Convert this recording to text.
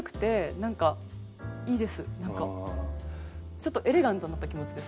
ちょっとエレガントになった気持ちです。